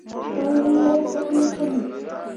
Mawin main pǝbeʼ pǝlli.